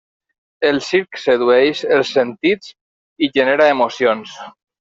El circ sedueix els sentits i genera emocions.